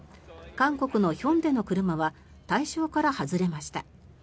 韓国のヒョンデの車は対象から外れました。